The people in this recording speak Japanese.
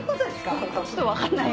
ちょっと分かんない。